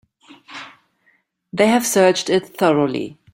They have searched it thoroughly.